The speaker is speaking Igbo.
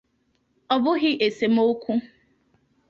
Ọ bụghị esemokwu.